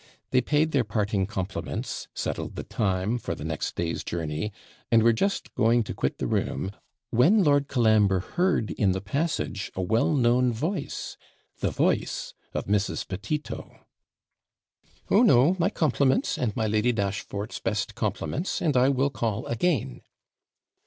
They paid their parting compliments, settled the time for the next day's journey, and were just going to quit the room when Lord Colambre heard in the passage a well known voice the voice of Mrs. Petito. 'Oh no, my compliments, and my Lady Dashfort's best compliments, and I will call again.'